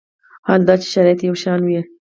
حال دا چې شرایط یو شان وي.